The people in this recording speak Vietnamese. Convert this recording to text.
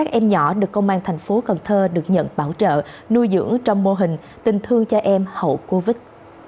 công an thành phố cần thơ được nhận bảo trợ nuôi dưỡng trong mô hình tình thương cho em hậu covid